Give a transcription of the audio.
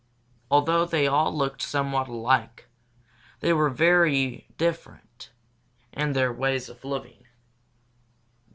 Although they all looked somewhat alike, they were very different in their ways of living.